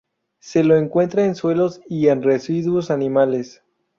Se lo encuentra en suelos y en residuos animales.